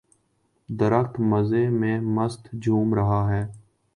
درخت مزے میں مست جھوم رہا ہے